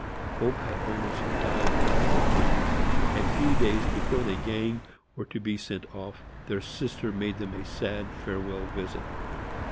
Hope had almost died out of their bosoms. A few days before the gang were to be sent off, their sister made them a sad farewell visit.